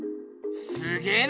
すげぇな！